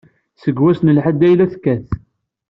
Seg wass n lḥedd ay la tekkat.